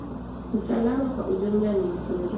Usalama kwa ujumla ni nzuri.